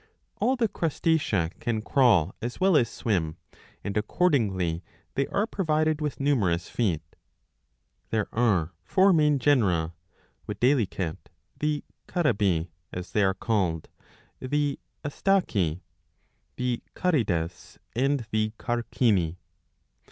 All the Crustacea ^ can crawl as well as swim, and accordingly they are provided with numerous feet. There are four main genera, viz. the Carabi, as they are called, the Astaci, the Carides, and the Carcini.